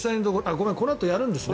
ごめん、このあとやるんですね。